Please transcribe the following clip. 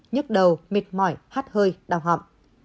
nhức đầu mệt mỏi hát hơi đau họng